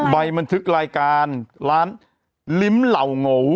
บันทึกรายการร้านลิ้มเหล่าโง